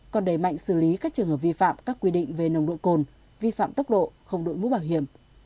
còn đẩy mạnh xử lý các trường hợp vi phạm các quy định về nồng độ cồn vi phạm tốc độ không đội mũ bảo hiểm